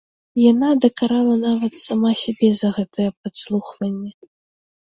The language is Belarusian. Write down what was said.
Яна дакарала нават сама сябе за гэтае падслухванне.